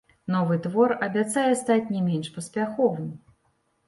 Новы твор абяцае стаць не менш паспяховым.